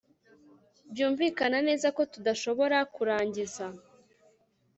Byumvikana neza ko tudashobora kurangiza